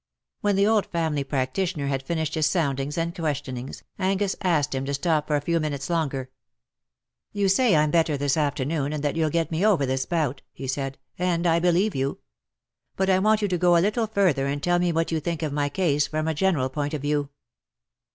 '' When the old family practitioner had finished his soundings and questionings, Angus asked him to stop for a few minutes longer. " You say I'm better this afternoon, and that you'll get me over this bout," he said, " and I believe you. But I want you to go a little further and tell me what you think of my case from a general point of view."